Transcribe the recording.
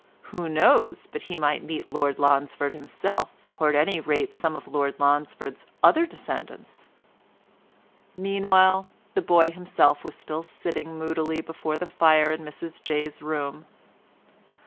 Who knows but he might meet Lord Lonsford himself, or at any rate some of Lord Lonsford's other descendants?" Meanwhile the boy himself was still sitting moodily before the fire in Mrs Jay's room.